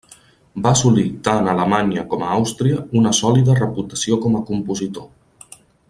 Va assolir tant a Alemanya com a Àustria una sòlida reputació com a compositor.